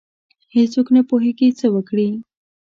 هیڅ څوک نه پوهیږي څه وکړي.